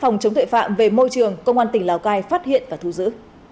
phòng chống tội phạm về môi trường công an tỉnh lào cai phát hiện và thu giữ